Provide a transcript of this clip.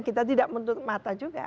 kita tidak menutup mata juga